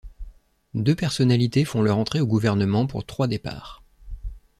Deux personnalités font leur entrée au gouvernement pour trois départs.